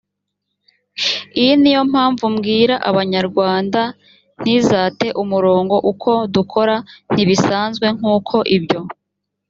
iyi ni yo mpamvu mbwira abanyarwanda ntizate umurongo uko dukora ntibisanzwe nk uko ibyo